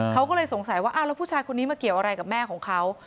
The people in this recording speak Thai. เขาก็เลยสงสัยว่าอ้าวแล้วผู้ชายคนนี้มาเกี่ยวอะไรกับแม่ของเขา